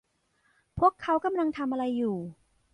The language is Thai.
พวกเขากำลังทำอะไรอยู่